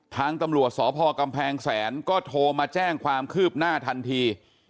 ทางตำรวจสพกำแพงแสนก็โทรมาแจ้งความคืบหน้าทันที